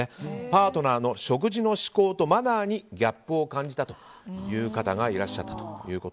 パートナーの食事の嗜好やマナーにギャップを感じたという方がいらっしゃったと。